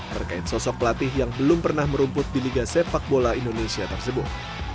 berkait sosok pelatih yang belum pernah merumput di liga sepak bola indonesia tersebut